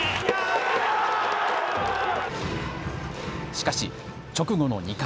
しかし、直後の２回。